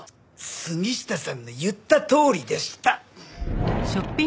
杉下さんの言ったとおりでした！